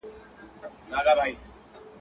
د سوال په اوبو ژرنده نه گرځي.